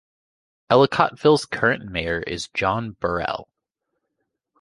Ellicottville's current mayor is John Burrell.